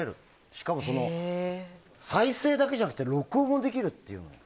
しかも、再生だけじゃなくて録音もできるって。